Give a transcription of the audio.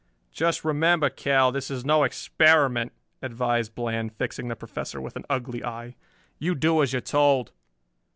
"Just remember, Kell, this is no experiment," advised Bland, fixing the Professor with an ugly eye. "You do as you're told."